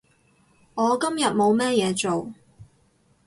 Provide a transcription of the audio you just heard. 我今日冇咩嘢做